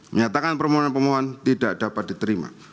menyatakan permohonan pemohon tidak dapat diterima